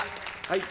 はい。